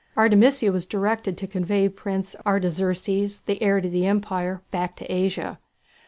Artemisia was directed to convey Prince Artaxerxes, the heir of the Empire, back to Asia.